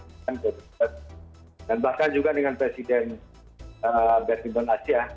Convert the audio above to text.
dan bahkan juga dengan presiden bersihbon asia